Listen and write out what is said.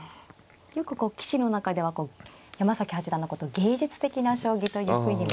よくこう棋士の中では山崎八段のことを芸術的な将棋というふうにも評されますよね。